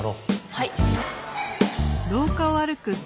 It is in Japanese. はい。